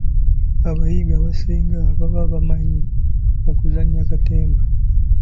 Abayimbi abasinga baba bamanyi okuzannya katemba.